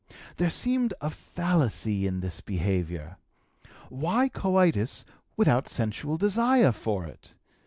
"There seemed a fallacy in this behavior. Why coitus without sensual desire for it?